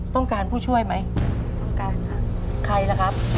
ต้องการผู้ช่วยไหมต้องการค่ะใครล่ะครับ